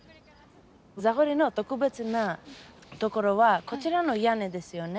ザゴリの特別なところはこちらの屋根ですよね。